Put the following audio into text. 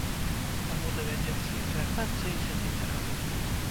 Таму, давядзецца і звяртацца, і сядзець разам.